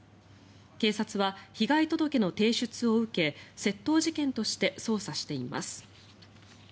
警察は被害届の提出を受け窃盗事件として捜査しています。